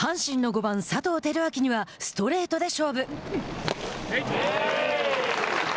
阪神の５番、佐藤輝明にはストレートで勝負。